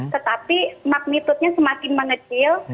tetapi magnitudenya semakin mengecil